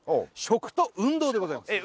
食と運動でございます